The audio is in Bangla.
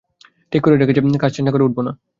ঠিক করে রেখেছি, কাজ শেষ না করে উঠব না।